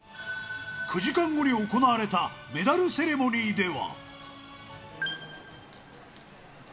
９時間後に行われたメダルセレモニーでは。